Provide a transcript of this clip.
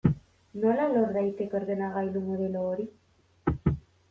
Nola lor daiteke ordenagailu modelo hori?